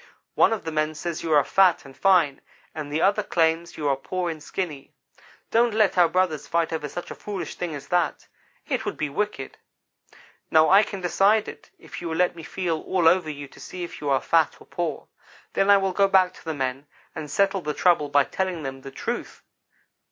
One of the men says you are fat and fine, and the other claims you are poor and skinny. Don't let our brothers fight over such a foolish thing as that. It would be wicked. Now I can decide it, if you will let me feel all over you to see if you are fat or poor. Then I will go back to the men and settle the trouble by telling them the truth.